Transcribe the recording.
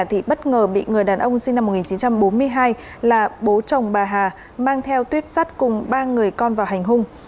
thì bất ngờ bị người đàn ông sinh năm một nghìn chín trăm bốn mươi hai là bố chồng bà hà mang theo tuyếp sát cùng ba người con vào hành hung